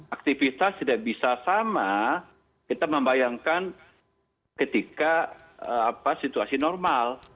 aktivitas tidak bisa sama kita membayangkan ketika situasi normal